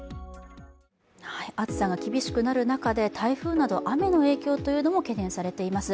暑さが厳しくなる中で台風など雨の影響も懸念されています。